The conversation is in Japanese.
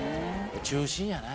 中心やな